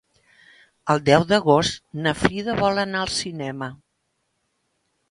El deu d'agost na Frida vol anar al cinema.